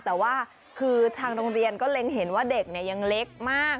แต่ว่าคือทางโรงเรียนก็เล็งเห็นว่าเด็กยังเล็กมาก